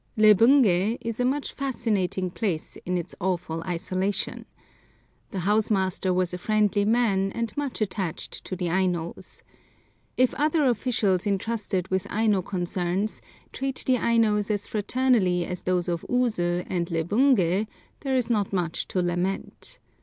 LEBUNGÉ is a most fascinating place in its awful isolation. The house master was a friendly man, and much attached to the Ainos. If other officials entrusted with Aino concerns treat the Ainos as fraternally as those of Usu and Lebungé, there is not much to lament.